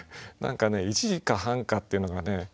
何かね「一時か半か」っていうのがね